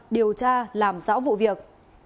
điều tra làm rõ vụ việc